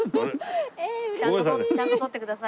ちゃんと撮ってくださいよ